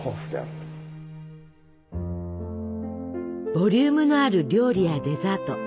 ボリュームのある料理やデザート